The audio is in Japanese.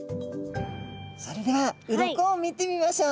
それでは鱗を見てみましょう。